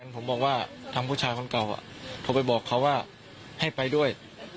ผมบอกว่าทางผู้ชายคนเก่าโทรไปบอกเขาว่าให้ไปด้วย